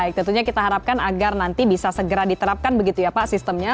baik tentunya kita harapkan agar bisa nanti di terapkan lah ya pak sistemnya